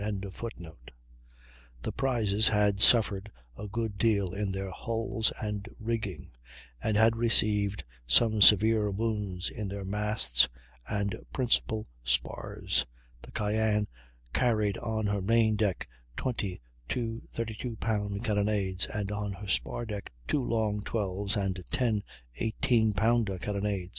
] The prizes had suffered a good deal in their hulls and rigging, and had received some severe wounds in their masts and principal spars. The Cyane carried on her main deck twenty two 32 pound carronades, and on her spar deck two long 12's, and ten 18 pounder carronades.